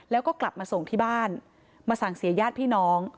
แล้วก็กลับมาส่งที่บ้านมาสั่งเสียญาติพี่น้อง